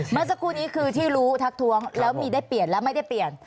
เมื่อสักครู่นี้คือที่รู้ทักท้วงแล้วมีได้เปลี่ยนและไม่ได้เปลี่ยน